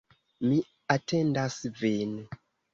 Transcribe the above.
Mi atendas vin.